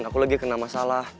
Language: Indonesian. aku lagi kena masalah